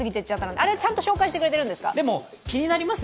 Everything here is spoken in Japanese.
あれはちゃんと紹介してくれてるんですよね。